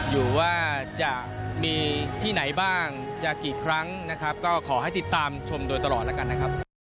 อยู่ว่าจะมีที่ไหนบ้างจะกี่ครั้งนะครับก็ขอให้ติดตามชมโดยตลอดแล้วกันนะครับ